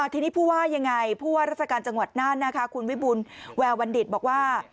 ทีนี้ผู้ว่ายังไงผู้ว่าราชการจังหวัดน่านนะคะคุณวิบุญแววบัณฑิตบอกว่า